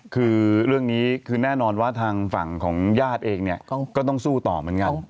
คือเรื่องนี้คือแน่นอนว่าทางฝั่งของญาติเองเนี่ยก็ต้องสู้ต่อเหมือนกัน